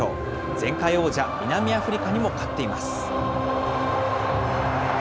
前回王者、南アフリカにも勝っています。